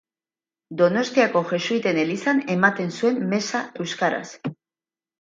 Donostiako Jesuiten elizan ematen zuen meza euskaraz.